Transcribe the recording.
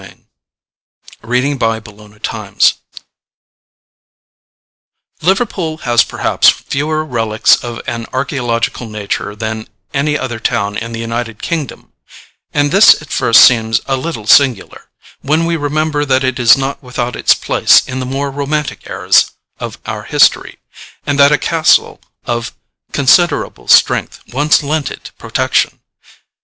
AN A.D.L.L. ADVENTURE IN LIVERPOOL. Liverpool has perhaps fewer relics of an archæological nature than any other town in the United Kingdom; and this at first seems a little singular, when we remember that it is not without its place in the more romantic eras of our history, and that a castle of considerable strength once lent it protection.